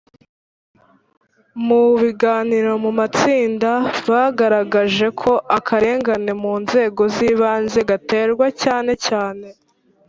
Mu biganiro mu matsinda bagaragaje ko akarengane mu nzego z ibanze gaterwa cyane cyane